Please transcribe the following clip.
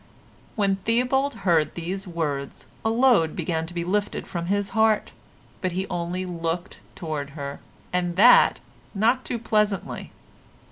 When Theobald heard these words a load began to be lifted from his heart, but he only looked towards her, and that not too pleasantly.